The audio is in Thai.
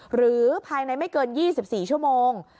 หรือภายในไม่เกิน๒๔ชั่วโมง